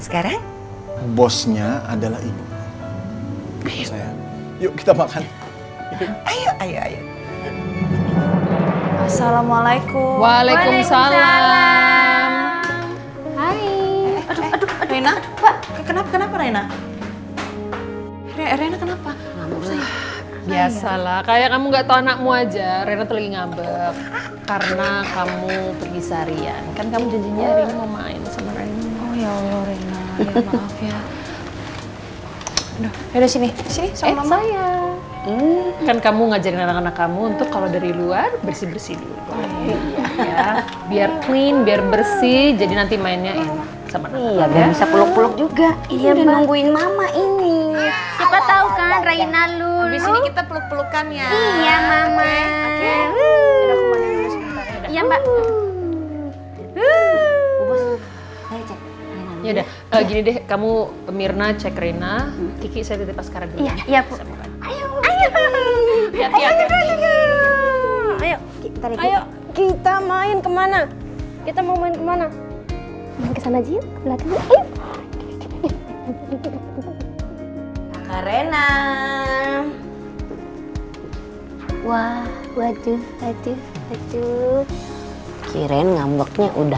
kamu ngapain lihat handphone aku